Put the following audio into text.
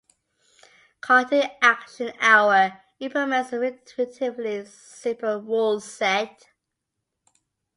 "Cartoon Action Hour" implements a relatively simple ruleset.